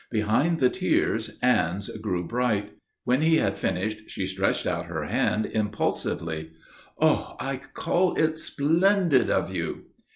Behind the tears Anne's grew bright. When he had finished she stretched out her hand impulsively. "Oh, I call it splendid of you!"